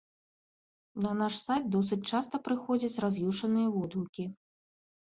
На наш сайт досыць часта прыходзяць раз'юшаныя водгукі.